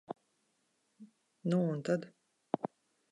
Nu un tad?